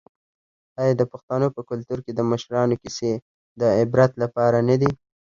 آیا د پښتنو په کلتور کې د مشرانو کیسې د عبرت لپاره نه دي؟